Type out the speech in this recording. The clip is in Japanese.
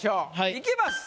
いきます。